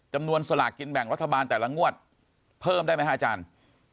สลากกินแบ่งรัฐบาลแต่ละงวดเพิ่มได้ไหมฮะอาจารย์